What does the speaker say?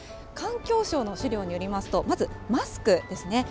環境省の資料によりますと、まずマスクですね。